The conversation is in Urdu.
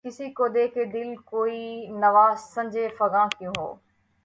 کسی کو دے کے دل‘ کوئی نوا سنجِ فغاں کیوں ہو؟